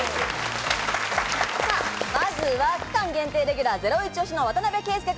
まずは期間限定レギュラー、ゼロイチ推しの渡邊圭祐君。